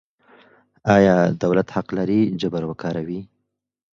آیا دولت حق لري جبر وکاروي؟